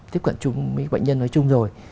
tiếp cận với bệnh nhân nói chung rồi